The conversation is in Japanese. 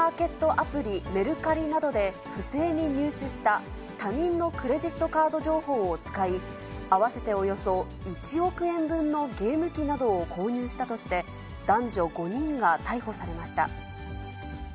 アプリ、メルカリなどで不正に入手した他人のクレジットカード情報を使い、合わせておよそ１億円分のゲーム機などを購入したとして、男女５人が逮捕されました。